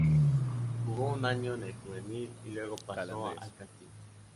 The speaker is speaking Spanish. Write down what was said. Jugó un año en el juvenil, y luego pasó al Castilla.